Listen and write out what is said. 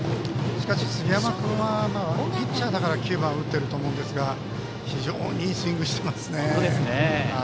杉山君はピッチャーだから９番を打っていると思いますが非常にいいスイングしてますね。